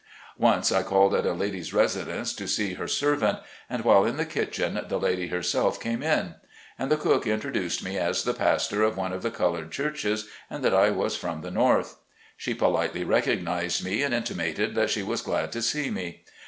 Once I called at a lady's residence to see her ser vant, and while in the kitchen the lady herself came in. And the cook introduced me as the pastor of one of the colored churches, and that I was from the North. She politely recognized me and intima ted that she was glad to see me.